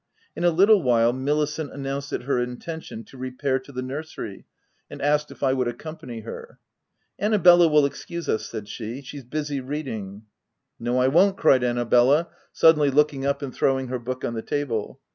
In a little while Milicent announced it her intention to repair to the nursery, and asked if I would accompany her. " Annabella will excuse us/' said she, " she's busy reading." " No, I won't/' cried Annabella, suddenly looking up and throwing her book on the table.